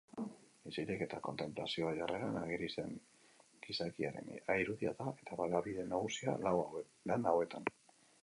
Isilik eta kontenplazio jarreran ageri den gizakiaren irudia da baliabide nagusia lan hauetan.